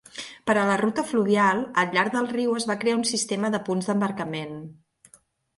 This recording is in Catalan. Par a la ruta fluvial, al llarg del riu es va crear un sistema de punts d'embarcament.